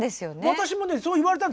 私もねそう言われたんですよ。